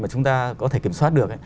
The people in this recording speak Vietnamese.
mà chúng ta có thể kiểm soát được